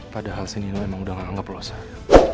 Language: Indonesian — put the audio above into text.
padahal si nino emang udah gak anggap losak